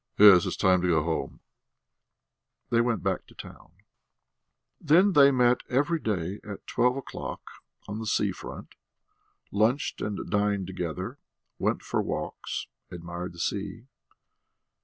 "Yes. It's time to go home." They went back to the town. Then they met every day at twelve o'clock on the sea front, lunched and dined together, went for walks, admired the sea.